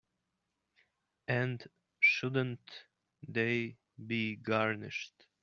And shouldn't they be garnished?